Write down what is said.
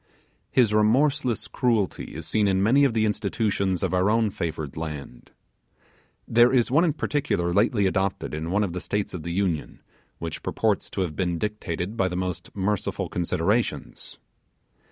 His remorseless cruelty is seen in many of the institutions of our own favoured land. There is one in particular lately adopted in one of the States of the Union, which purports to have been dictated by the most merciful considerations.